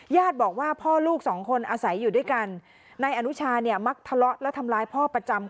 ญาติบอกว่าพ่อลูกสองคนอาศัยอยู่ด้วยกันนายอนุชาเนี่ยมักทะเลาะและทำร้ายพ่อประจำ